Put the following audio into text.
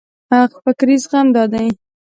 فکري زغم دا دی.